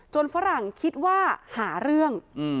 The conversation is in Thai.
ฝรั่งคิดว่าหาเรื่อง